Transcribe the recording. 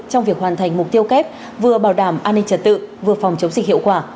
trong việc hoàn thành mục tiêu kép vừa bảo đảm an ninh trật tự vừa phòng chống dịch hiệu quả